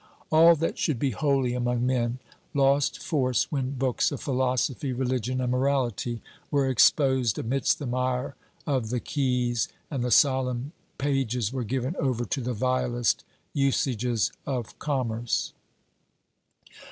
All that should be holy among men lost force when books of philosophy, religion and morality were exposed amidst the mire of the quays, and solemn pages were given over to the vilest usages of commerce.